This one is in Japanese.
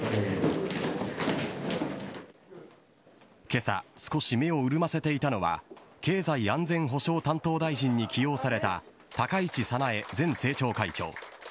今朝少し目を潤ませていたのは経済安全保障担当大臣に起用された高市早苗前政調会長。